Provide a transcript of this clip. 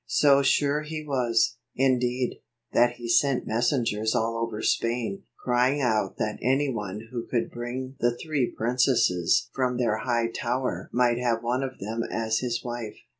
So sure was he, indeed, that he sent mes sengers all over Spain, crying out that any one who could bring the three princesses from their high tower might have one of them as his wife.